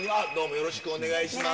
よろしくお願いします。